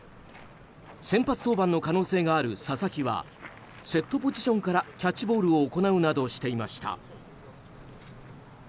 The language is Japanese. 先発登板の可能性がある佐々木はセットポジションからキャッチボールを行うなどしていました。